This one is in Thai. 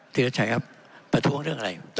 วิรัชัยครับประท้วงเรื่องอะไร